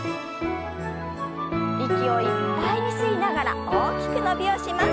息をいっぱいに吸いながら大きく伸びをします。